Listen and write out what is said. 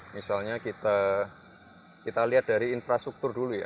misalnya kita lihat dari infrastruktur dulu ya